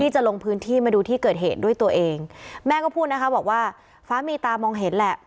จะลงพื้นที่มาดูที่เกิดเหตุด้วยตัวเองแม่ก็พูดนะคะบอกว่าฟ้ามีตามองเห็นแหละ